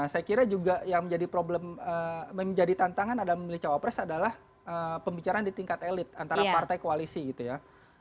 saya kira juga yang menjadi tantangan dalam memilih cawapres adalah pembicaraan di tingkat elit antara partai koalisi gitu ya